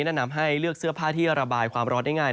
แนะนำให้เลือกเสื้อผ้าที่ระบายความร้อนได้ง่าย